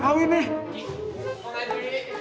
takut takut pak